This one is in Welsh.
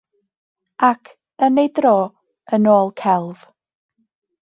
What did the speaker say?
Ac, yn ei dro, yn ôl celf.